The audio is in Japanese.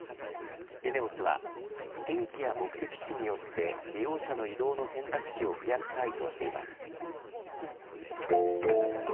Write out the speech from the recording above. ＥＮＥＯＳは天気や目的地によって利用者の移動の選択肢を増やしたいとしています。